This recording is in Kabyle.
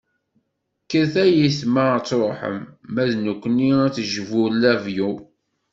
Kkret ay ayetma ad truḥem, ma d nekkni ad d-tejbu lavyu.